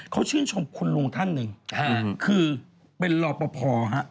เขาชื่นชมคุณลุงท่านหนึ่งคือเป็นรอปภฮะ